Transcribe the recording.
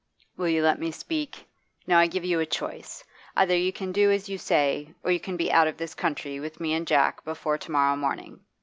'Will you let me speak? Now I give you a choice. Either you can do as you say, or you can be out of this country, with me and Jack, before to morrow morning.